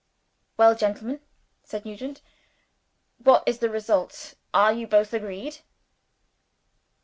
"Well, gentlemen," said Nugent, "what is the result? Are you both agreed?"